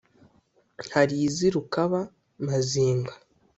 hari iz’i rukaba-mazinga,